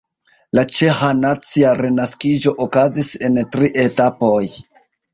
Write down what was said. La ĉeĥa nacia renaskiĝo okazis en tri etapoj.